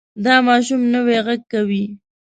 دا ماشوم نوی غږ کوي.